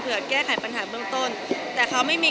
เพื่อแก้ไขปัญหาเบื้องต้นแต่เขาไม่มี